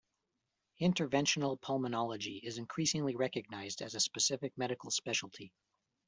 Interventional pulmonology is increasingly recognized as a specific medical specialty.